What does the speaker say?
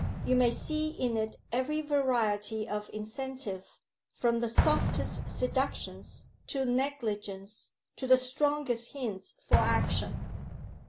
You may see in it every variety of incentive from the softest seductions to negligence to the strongest hints for action.